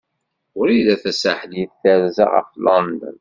Wrida Tasaḥlit terza ɣef London.